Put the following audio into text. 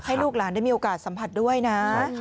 ให้ลูกหลานได้มีโอกาสสัมผัสด้วยนะ